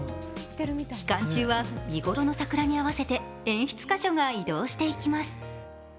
期間中は見頃の桜に合わせて演出箇所が移動していきます。